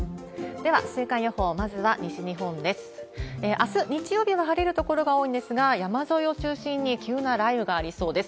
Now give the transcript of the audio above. あす日曜日は晴れる所が多いんですが、山沿いを中心に急な雷雨がありそうです。